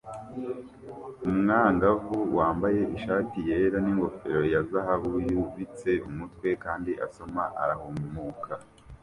Umwangavu wambaye ishati yera n'ingofero ya zahabu yubitse umutwe kandi amaso arahumuka